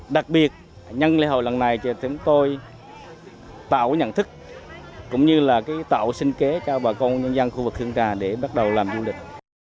đặc biệt nhân lễ hội lần này thì chúng tôi tạo nhận thức cũng như là tạo sinh kế cho bà con nhân dân khu vực hương trà để bắt đầu làm du lịch